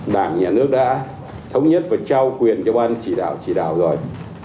đảng nhà nước đã thống nhất và trao quyền cho ban chỉ đạo rồi